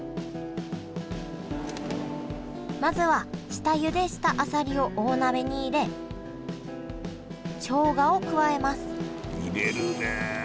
まずは下ゆでしたあさりを大鍋に入れしょうがを加えます入れるねえ。